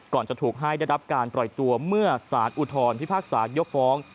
จะถูกให้ได้รับการปล่อยตัวเมื่อสารอุทธรพิพากษายกฟ้อง